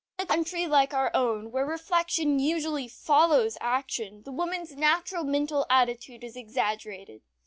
In a country like our own, where reflection usually follows action, the woman's natural mental attitude is exaggerated.